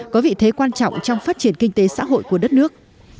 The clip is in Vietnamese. có vị thế quan trọng trong phát triển kinh tế xã hội của đất nước